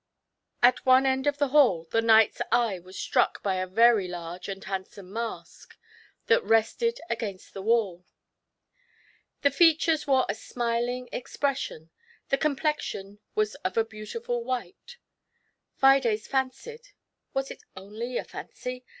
At one end of the hall the knights eye was struck by a very large and handsome mask* that rested against the wall The features wore a smiling expression, the complexion was of a beautiful white; Fides fancied — ^was it only a fancy